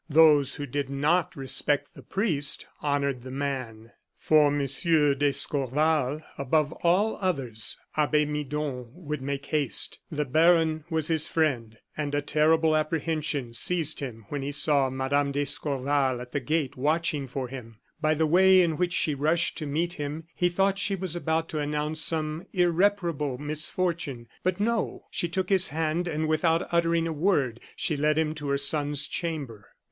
Those who did not respect the priest honored the man. For M. d'Escorval, above all others, Abbe Midon would make haste. The baron was his friend; and a terrible apprehension seized him when he saw Mme. d'Escorval at the gate watching for him. By the way in which she rushed to meet him, he thought she was about to announce some irreparable misfortune. But no she took his hand, and, without uttering a word, she led him to her son's chamber.